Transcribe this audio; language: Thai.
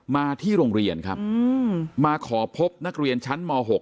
มาที่โรงเรียนครับมาขอพบนักเรียนชั้นม๖